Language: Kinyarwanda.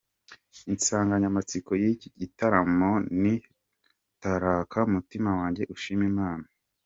Insanganyamatsiko y’iki gitaramo ni “Taraka mutima wanjye ushime Imana”.